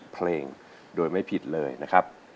เพลงโดยไม่ผิดเลยนะครับ